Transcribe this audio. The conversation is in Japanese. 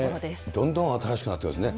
どんどん新しくなってますね。